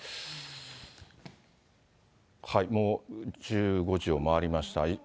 もう１５時を回りました。